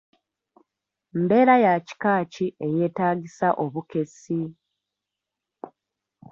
Mbeera ya kika ki eyetaagisa obukessi?